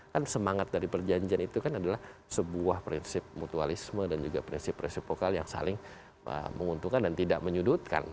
kan semangat dari perjanjian itu kan adalah sebuah prinsip mutualisme dan juga prinsip prinsip vokal yang saling menguntungkan dan tidak menyudutkan